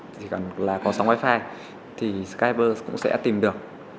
chỉ cần là có sóng wifi thì skype cũng sẽ tìm được